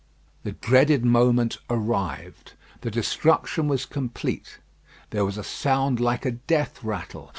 The dreaded moment arrived. The destruction was complete. There was a sound like a death rattle.